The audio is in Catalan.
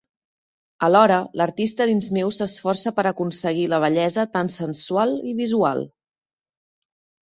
Alhora, l'artista dins meu s'esforça per aconseguir la bellesa tan sensual i visual.